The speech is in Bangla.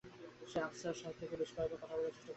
সে আফসার সাহেবের সঙ্গে বেশ ক বার কথা বলার চেষ্টা করেছে।